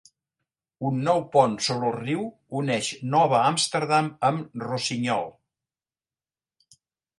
Un nou pont sobre el riu uneix Nova Amsterdam amb Rosignol.